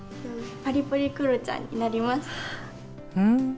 パリポリくろちゃんになります。